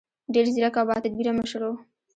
ډېر ځیرک او باتدبیره مشر و.